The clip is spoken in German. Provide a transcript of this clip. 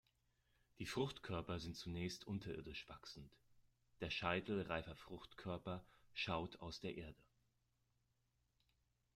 Die Fruchtkörper sind zunächst unterirdisch wachsend, der Scheitel reifer Fruchtkörper schaut aus der Erde.